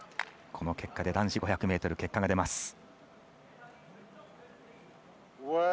この結果で男子５００ｍ結果が出ます。